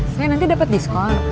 saya nanti dapat diskon